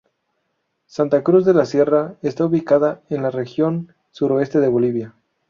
Santa Cruz de la Sierra está ubicada en la región sureste de Bolivia.